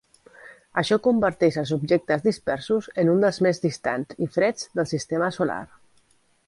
Això converteix els objectes dispersos en uns dels més distants i freds del sistema solar.